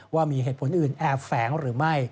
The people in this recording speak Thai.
ว่ามีเหตุผลอื่นแอบแฝงหรือไม่